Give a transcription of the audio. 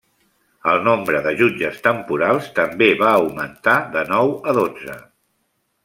El nombre de jutges temporals també va augmentar de nou a dotze.